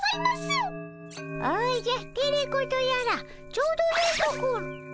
おじゃテレ子とやらちょうどよいところ。